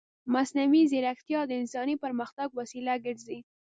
مصنوعي ځیرکتیا د انساني پرمختګ وسیله ګرځي.